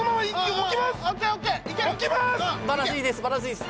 置きます！